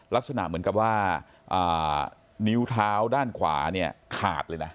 ลักษณะเหมือนกับว่านิ้วเท้าด้านขวาเนี่ยขาดเลยนะ